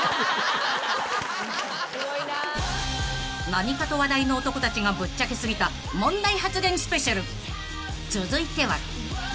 ［何かと話題の男たちがぶっちゃけ過ぎた問題発言スペシャル］